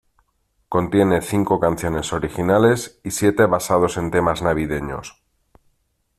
Contiene cinco canciones originales y siete basados en temas navideños.